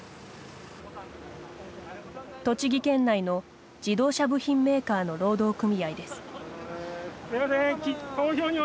栃木県内の自動車部品メーカーの労働組合です。